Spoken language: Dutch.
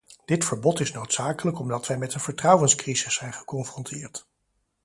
Dit verbod is noodzakelijk omdat wij met een vertrouwenscrisis zijn geconfronteerd.